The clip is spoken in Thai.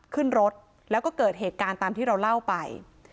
ขึ้นรถแล้วก็เกิดเหตุการณ์ตามที่เราเล่าไป